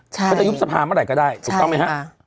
เขาจะยุบสภาเมื่อไหร่ก็ได้ถูกต้องไหมฮะ